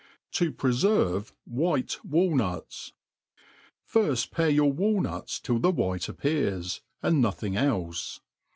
T^ pnjirve fnke tfUntiih FIRST pare your walnuts till the white appears, and no thing elfe.